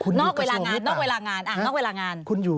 นอกเวลางานนอกเวลางานนอกเวลางานคุณอยู่